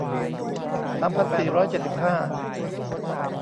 สามพันสี่ร้อยเจ็ดสิบห้า